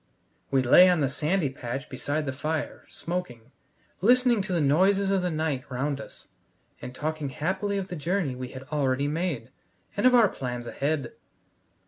We lay on the sandy patch beside the fire, smoking, listening to the noises of the night round us, and talking happily of the journey we had already made, and of our plans ahead.